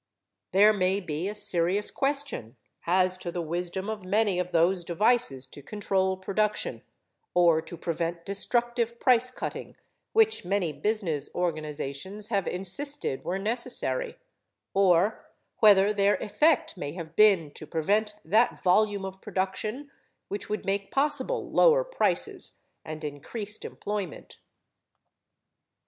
There may be a serious question as to the wisdom of many of those devices to control production, or to prevent destructive price cutting which many business organizations have insisted were necessary, or whether their effect may have been to prevent that volume of production which would make possible lower prices and increased employment.